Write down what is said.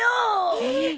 えっ！？